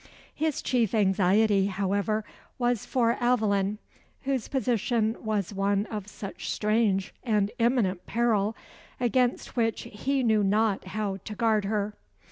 His chief anxiety, however, was for Aveline, whose position was one of such strange and imminent peril, against which he knew not how to guard her.